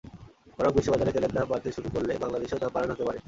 বরং বিশ্ববাজারে তেলের দাম বাড়তে শুরু করলে বাংলাদেশেও দাম বাড়ানো হতে পারে।